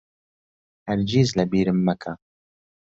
هەرگیز لەبیرم مەکە.